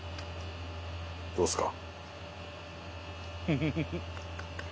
どうですか？